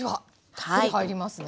たっぷり入りますね。